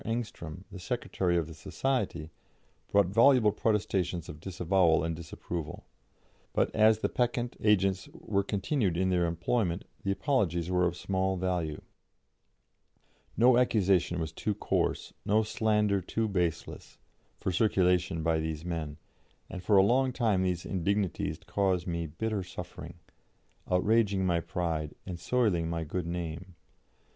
Engström, the secretary of the society, brought voluble protestations of disavowal and disapproval; but as the peccant agents were continued in their employment, the apologies were of small value. No accusation was too coarse, no slander too baseless, for circulation by these men; and for a long time these indignities caused me bitter suffering, outraging my pride, and soiling my good name.